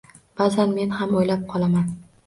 Ba’zan men ham o‘ylab qolaman.